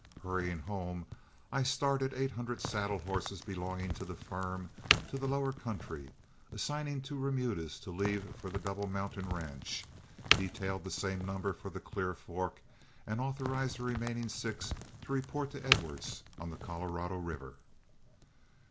Hurrying home, I started eight hundred saddle horses belonging to the firm to the lower country, assigned two remudas to leave for the Double Mountain ranch, detailed the same number for the Clear Fork, and authorized the remaining six to report to Edwards on the Colorado River.